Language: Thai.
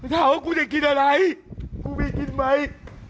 ถามว่ากูจะกินอะไรกูมีกินไหม